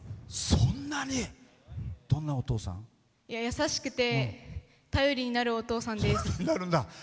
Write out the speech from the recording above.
優しくて頼りになるお父さんです。